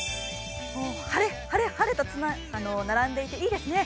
晴れ、晴れ、晴れと並んでいていいですね。